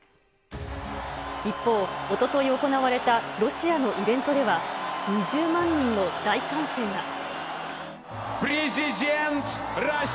一方、おととい行われたロシアのイベントでは、２０万人の大歓声が。